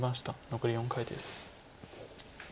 残り４回です。